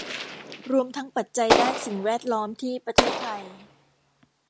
รวมทั้งปัจจัยด้านสิ่งแวดล้อมที่ประเทศไทย